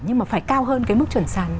nhưng mà phải cao hơn cái mức chuẩn sàn